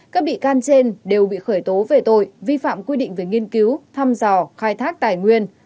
các bị can trên đều bị khởi tố về tội vi phạm quy định về nghiên cứu thăm dò khai thác tài nguyên